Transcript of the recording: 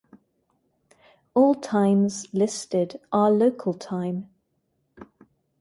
All times listed are local time.